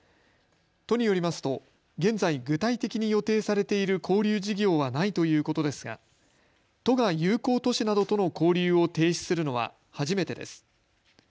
都によりますと現在、具体的に予定されている交流事業はないということですが都が友好都市などとの交流を停止するのは初めてです。